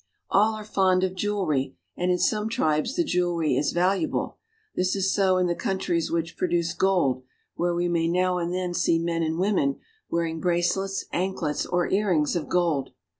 All are fond of jewelry, and in some tribes the jewelry is valuable. This is so in the countries which produce gold, where we may now and then see men and women wearing bracelets, ankiets, or earrings of gold.